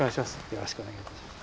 よろしくお願いします。